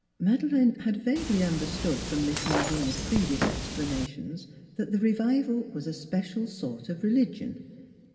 Madeleine had vaguely understood from Miss Malvina's previous explanations that the revival was a special sort of religion.